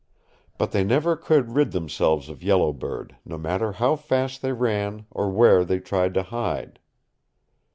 But they never could rid themselves of Yellow Bird, no matter how fast they ran or where they tried to hide.